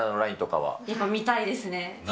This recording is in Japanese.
やっぱり見たいですね。